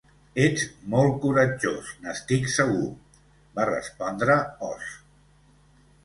"Ets molt coratjós, n'estic segur", va respondre Oz.